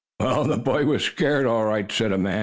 "Well, the boy was scared all right," said a man.